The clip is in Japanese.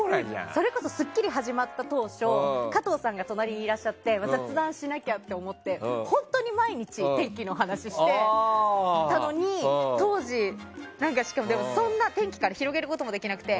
それこそ「スッキリ」始まった当初加藤さんが隣にいらっしゃって雑談しなきゃって思って本当に毎日天気の話してたのに当時、そんな天気から広げることもできなくて。